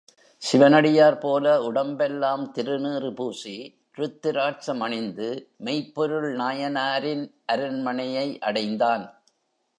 சிவனடியார் போல உடம்பெல்லாம் திருநீறு பூசி, ருத்திராட்சம் அணிந்து மெய்ப்பொருள் நாயனாரின் அரண்மனையை அடைந்தான்.